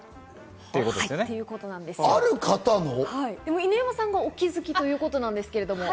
犬山さんがお気づきということなんですけれども。